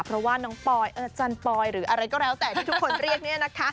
เพราะว่าน้องปอยอาจารย์ปอยหรืออะไรก็แล้วแต่ที่ทุกคนเรียกเนี่ยนะคะ